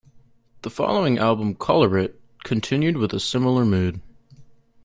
The following album, "Color Rit", continued with a similar mood.